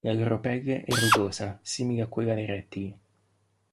La loro pelle è rugosa, simile a quella dei rettili.